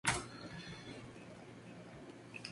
Es el primer equipo de fútbol fundado en Irak.